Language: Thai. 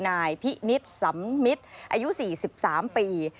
นายพินิตสมมิตรอายุ๔๓ปี